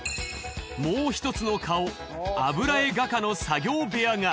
もう１つの顔油絵画家の作業部屋が。